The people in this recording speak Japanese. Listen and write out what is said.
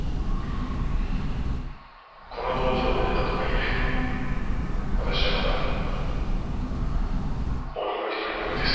この道場を出たとはいえ私はまだ鬼の一人なのです。